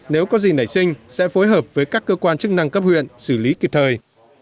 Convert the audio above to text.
nếu có gì nảy sinh sẽ phối hợp với các cơ quan chức năng cấp huyện xử lý kịp thời